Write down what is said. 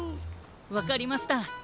わかりました。